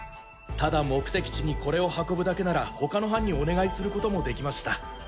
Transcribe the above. ただ目的地にこれを運ぶだけなら他の班にお願いすることもできました。